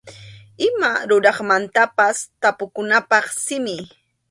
Ima ruraqmantapas tapukunapaq simi.